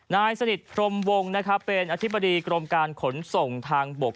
นายสนิทพรมวงนะครับเป็นอธิบดีกรมการขนส่งทางบก